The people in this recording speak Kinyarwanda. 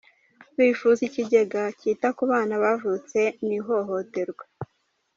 Bifuza ikigega cyita ku bana bavutse mu ihohoterwa.